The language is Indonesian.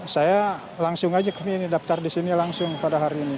saya langsung aja kami ini daftar di sini langsung pada hari ini